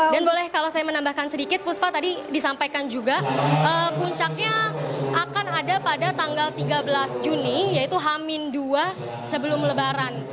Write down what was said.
dan boleh kalau saya menambahkan sedikit puspa tadi disampaikan juga puncaknya akan ada pada tanggal tiga belas juni yaitu hamindua sebelum lebaran